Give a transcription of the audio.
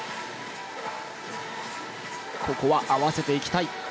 ここは合わせていきたい。